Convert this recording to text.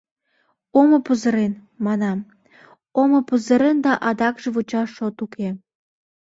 — Омо пызырен, — манам, — омо пызырен да адакше вучаш шот уке.